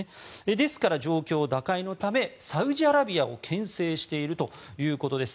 ですから状況打開のためサウジアラビアをけん制しているということです。